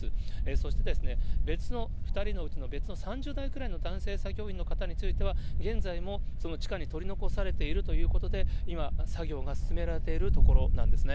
そして、別の、２人のうちの別の３０代くらいの男性作業員の方については、現在もその地下に取り残されているということで、今、作業が進められているところなんですね。